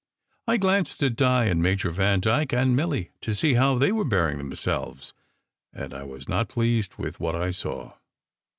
I glanced at Di and Major Van dyke and Milly, to see how they were bearing themselves, and I was not pleased with what I saw.